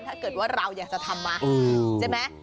ถ้าเกิดว่าเราอยากจะทำมาใช่ไหม